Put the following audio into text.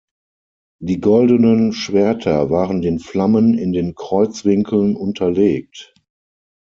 Die goldenen Schwerter waren den Flammen in den Kreuzwinkeln unterlegt.